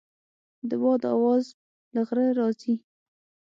د باد اواز له غره راځي.